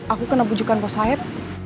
aku kena bujukan pos saheb